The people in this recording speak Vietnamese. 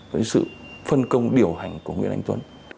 với sự phân công điều hành của nguyễn anh tuấn